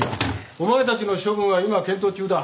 お前たちの処分は今検討中だ。